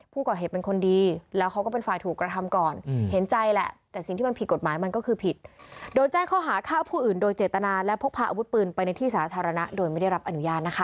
ผู้ก่อเหตุเป็นคนดีแล้วเขาก็เป็นฝ่าถูกกระทำก่อน